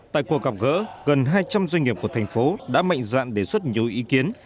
tại cuộc gặp gỡ gần hai trăm linh doanh nghiệp của thành phố đã mạnh dạn đề xuất nhiều ý kiến